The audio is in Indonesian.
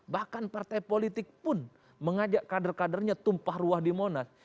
bahkan partai politik pun mengajak kader kadernya tumpah ruah di monas